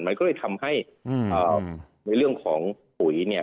มันก็เลยทำให้ในเรื่องของปุ๋ยเนี่ย